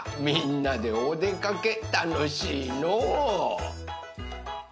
みんなでおでかけたのしいのう。